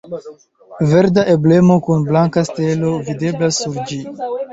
Verda emblemo kun blanka stelo videblas sur ĝi.